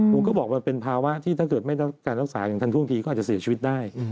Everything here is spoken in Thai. ก็บอกว่าเป็นภาวะที่ถ้าเกิดไม่รับการรักษาอย่างทันท่วงทีก็อาจจะเสียชีวิตได้